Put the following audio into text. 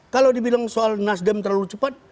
kalau dibilang soal nasdem terlalu cepat